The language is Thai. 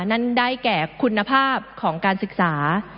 นั่นได้แก่คุณภาพของการศึกษา